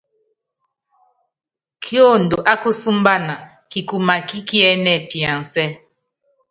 Kiondo ákusúmbana kikuma kí kiɛ́nɛ piansɛ́.